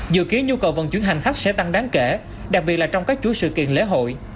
dự kiến nhu cầu vận chuyển hành khách sẽ tăng đáng kể đặc biệt là trong các chuỗi sự kiện lễ hội